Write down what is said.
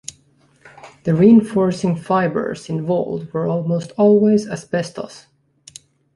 The reinforcing fibres involved were almost always asbestos.